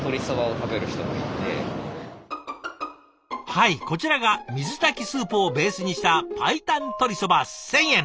はいこちらが水炊きスープをベースにした白湯鶏そば１，０００円。